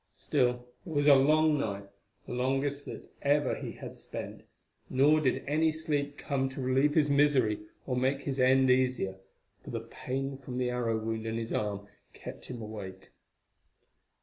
Still it was a long night, the longest that ever he had spent, nor did any sleep come to relieve his misery or make his end easier, for the pain from the arrow wound in his arm kept him awake.